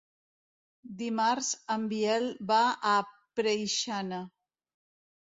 Dimarts en Biel va a Preixana.